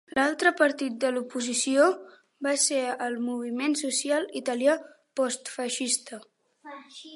L'altre partit de l'oposició va ser el moviment social italià post-feixista.